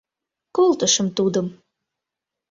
Колтышым тудым.